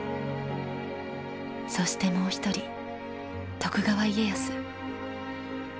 そしてもう一人徳川家康。